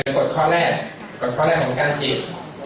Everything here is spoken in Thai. กดข้อแรกของการจีบ